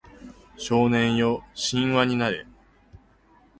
少年よ神話になれ